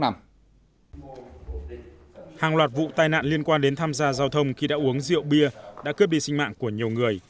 hàng loạt vụ tai nạn liên quan đến tham gia giao thông khi đã uống rượu bia đã cướp đi sinh mạng của nhiều người